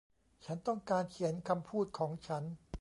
ฉันต้องการเขียนคำพูดของฉัน